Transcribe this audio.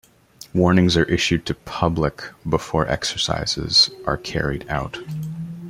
Warnings are issued to public before exercises are carried out.